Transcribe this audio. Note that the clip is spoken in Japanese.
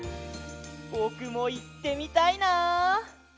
ぼくもいってみたいな！